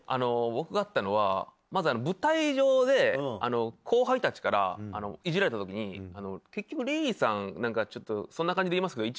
僕あったのはまず舞台上で後輩たちからいじられたときに結局リリーさんそんな感じでいますけど。